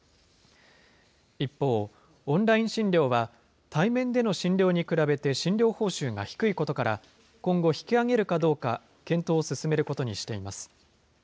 一方、オンライン診療は、対面での診療に比べて診療報酬が低いことから、今後、引き上げるかどうか検討を進めることにしています。